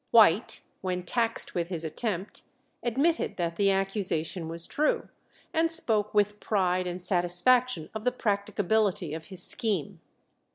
White, when taxed with his attempt, admitted that the accusation was true, and spoke "with pride and satisfaction of the practicability of his scheme."